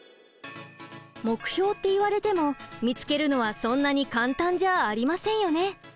目標って言われても見つけるのはそんなに簡単じゃありませんよね？